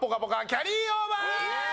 キャリーオーバー！